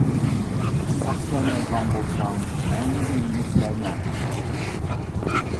ساق كەلمەيدىغان بولساڭ مەڭگۈ يېنىپ كەلمە!